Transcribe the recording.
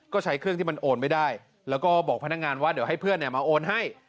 ก็ใช้เครื่องที่มันโอนไม่ได้แล้วก็บอกพนักงานว่าเดี๋ยวให้เพื่อนมาโอนให้